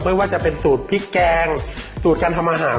ไม่ว่าจะเป็นสูตรพริกแกงสูตรการทำอาหาร